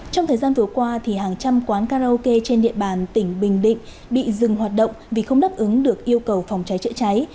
trong thời gian vừa qua hàng trăm quán karaoke trên địa bàn tỉnh bình định bị dừng hoạt động vì không đáp ứng được yêu cầu phòng cháy chữa cháy